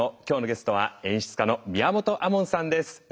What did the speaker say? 今日のゲストは演出家の宮本亞門さんです。